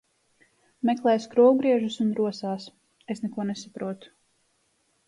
Meklē skrūvgriežus un rosās. Es neko nesaprotu.